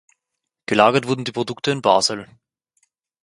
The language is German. Gelagert wurden die Produkte in Basel.